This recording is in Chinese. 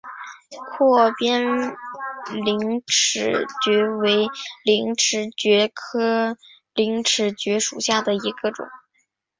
阔边陵齿蕨为陵齿蕨科陵齿蕨属下的一个种。